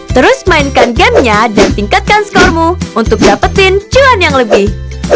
terus mainkan gamenya dan tingkatkan skormu untuk dapetin cuan yang lebih